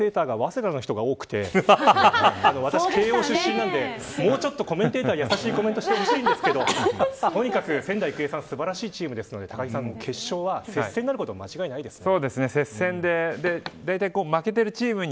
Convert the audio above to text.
コメンテーターに早稲田の方が多くて私は慶応出身なのでもう少しコメンテーターに優しいコメントをしてほしいですがとにかく仙台育英さんも素晴らしいチームなので決勝が接戦なることは間違いないですよね。